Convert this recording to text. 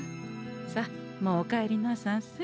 さあもうお帰りなさんせ。